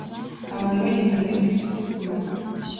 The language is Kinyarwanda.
Abantu bagenda muri bisi itukura